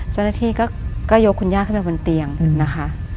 เจ้าหน้าที่ก็ยกคุณย่าขึ้นไปบนเตียงนะคะ